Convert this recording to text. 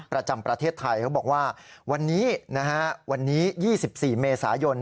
ประจำประเทศไทยเขาบอกว่าวันนี้วันนี้๒๔เมษายน